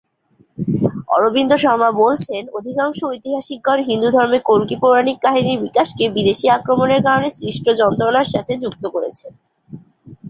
অরবিন্দ শর্মা বলছেন, অধিকাংশ ঐতিহাসিকগণ হিন্দুধর্মে কল্কি পৌরাণিক কাহিনীর বিকাশকে বিদেশী আক্রমণের কারণে সৃষ্ট যন্ত্রণার সাথে যুক্ত করেছেন।